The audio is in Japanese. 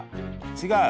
違う？